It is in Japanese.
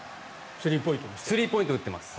スリーポイント打っております。